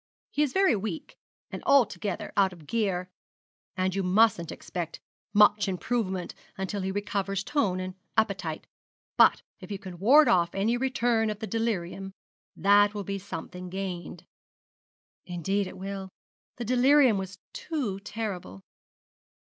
He is very weak, and altogether out of gear; and you mustn't expect much improvement until he recovers tone and appetite; but if you can ward off any return of the delirium, that will be something gained.' 'Indeed it will. The delirium was too terrible.'